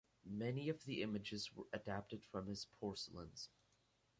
Many of the images were adapted from his porcelains.